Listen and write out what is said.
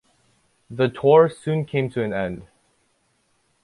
The tour soon came to an end.